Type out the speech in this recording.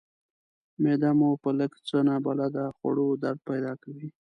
معده مو په لږ څه نابلده خوړو درد پیدا کوي.